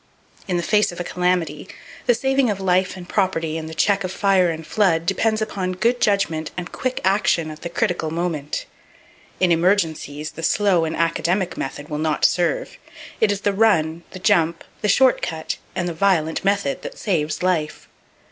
—In the face of a calamity, the saving of life and property and the check of fire and flood depends upon good judgment and quick action at the critical moment. In emergencies, the slow and academic method will not serve. It is the run, the jump, the short cut and the violent method that saves life.